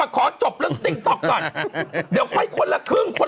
ขอจบเรื่องติ๊กต๊อกก่อน